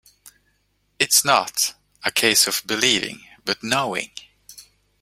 It's not a case of believing, but knowing.